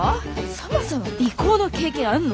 そもそも尾行の経験あんの？